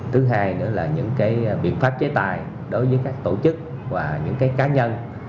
thứ hai nữa là những biện pháp chế tài đối với các tổ chức và những cá nhân